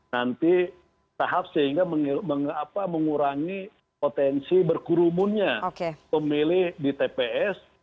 nanti tahap sehingga mengurangi potensi berkurumunnya pemilih di tps